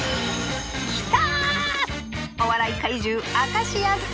きた！